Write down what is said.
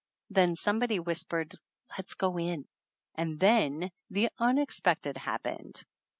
Then somebody whispered let's go in and then the unexpected happened.